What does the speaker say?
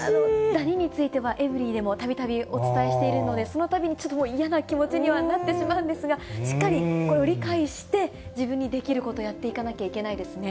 ダニについてはエブリィでもたびたびお伝えしているので、そのたびにちょっと嫌な気持ちにはなってしまうんですが、しっかり、これを理解して自分にできることやっていかなきゃいけないですね。